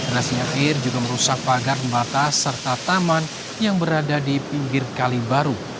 derasnya air juga merusak pagar pembatas serta taman yang berada di pinggir kali baru